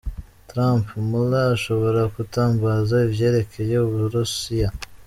Trump: Mueller ashobora kutambaza ivyerekeye Uburusiya.